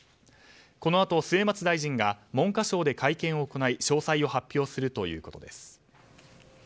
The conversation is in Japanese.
このあと末松大臣が文科省で会見を行い詳細を発表するということです。